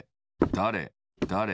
だれだれ